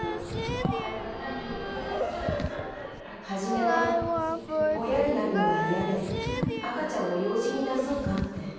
初めは親になるのが嫌で赤ちゃんを養子に出そうかって。